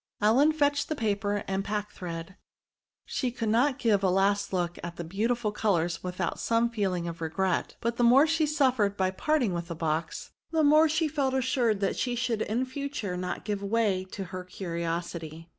Ellen fetched the paper and packthread ; she could not give a last look at the beautiful colours without some feeling of regret; but the more she su£Fered by peu'ting with the box, the more she felt assured that she should in fature not give way to her curiosity.